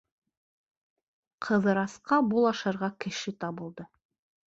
Ҡыҙырасҡа булашырға кеше табылды!..